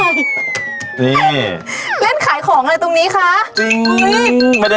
นี่นี่เล่นขายของเยอะ